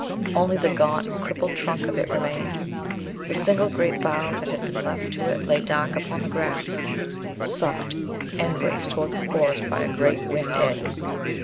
Only the gaunt and crippled trunk of it remained. The single giant bough that had been left to it lay dark upon the grass, sucked endways towards the Forest by a great wind eddy.